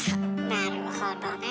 なるほどね。